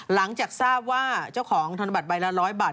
หลังจากทราบว่าเจ้าของธนบัตรใบละ๑๐๐บาท